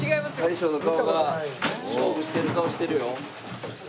大将の顔が勝負してる顔してるよ。